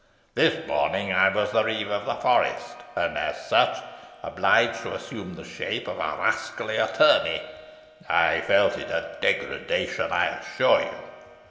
This morning I was the reeve of the forest, and as such obliged to assume the shape of a rascally attorney. I felt it a degradation, I assure you.